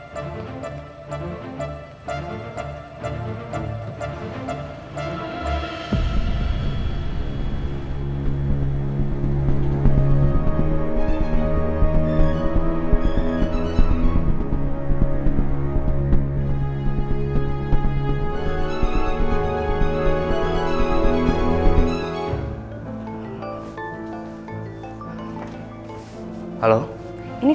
sampai jumpa lagi